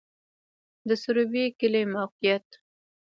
د سروبی کلی موقعیت